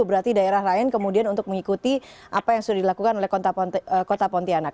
berarti daerah lain kemudian untuk mengikuti apa yang sudah dilakukan oleh kota pontianak